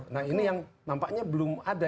nah ini yang nampaknya belum ada